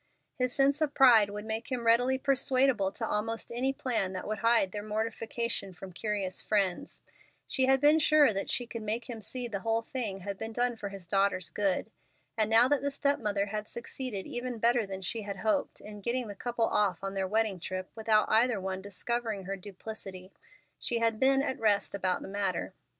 His sense of pride would make him readily persuadable to almost any plan that would hide their mortification from curious friends. She had been sure that she could make him see that the whole thing had been done for his daughter's good. And now that the step mother had succeeded even better than she had hoped, in getting the couple off on their wedding trip without either one discovering her duplicity, she had been at rest about the matter.